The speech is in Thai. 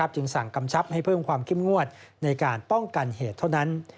จึงสั่งกำชับให้เพิ่มความเข้มงวดในการป้องกันเหตุเท่านั้น